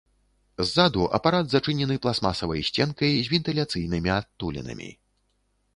Ззаду апарат зачынены пластмасавай сценкай з вентыляцыйнымі адтулінамі.